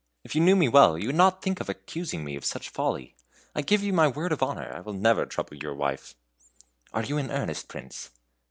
If you knew me well, you would not think of accusing me of such folly. I give you my word of honor I will never trouble your wife." "Are you in earnest, Prince?"